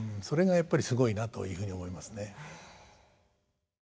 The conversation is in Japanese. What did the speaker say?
それがやっぱりすごいなというふうに思いますね。